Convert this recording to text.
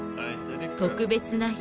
特別な日。